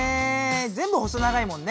全部細長いもんね。